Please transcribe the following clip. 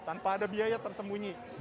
tanpa ada biaya tersembunyi